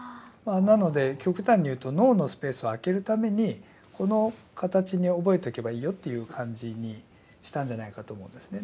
なので極端にいうと脳のスペースを空けるためにこの形に覚えとけばいいよっていう感じにしたんじゃないかと思うんですね。